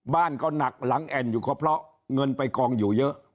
บ้านก็หนักหลังแอ่นอยู่ก็เพราะเงินไปกองอยู่เยอะ